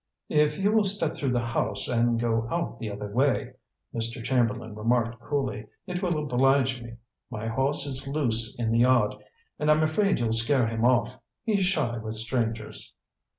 "If you will step through the house and go out the other way," Mr. Chamberlain remarked coolly, "it will oblige me. My horse is loose in the yard, and I'm afraid you'll scare him off. He's shy with strangers."